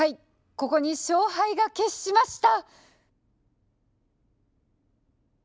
ここに勝敗が決しました！